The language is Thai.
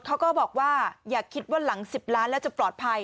เขาก็บอกว่าอย่าคิดว่าหลัง๑๐ล้านแล้วจะปลอดภัย